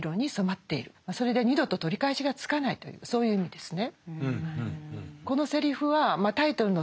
それで二度と取り返しがつかないというそういう意味ですね。